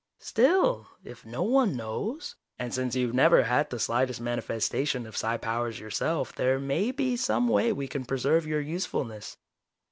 Still, if no one knows, and since you've never had the slightest manifestation of psi powers yourself, there may be some way we can preserve your usefulness."